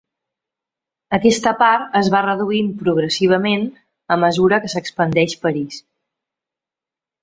Aquesta part es va reduint progressivament a mesura que s'expandeix París.